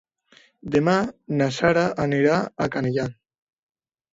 Demà na Sara anirà a Canejan.